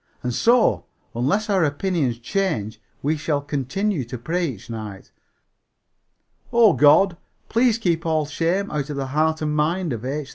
And so, unless our opinions change, we shall continue to pray each night, "Oh God, please keep all shame out of the heart and mind of H.